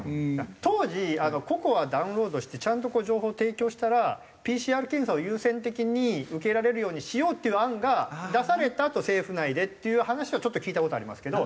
当時ＣＯＣＯＡダウンロードしてちゃんと情報を提供したらＰＣＲ検査を優先的に受けられるようにしようっていう案が出されたと政府内でっていう話はちょっと聞いた事ありますけど。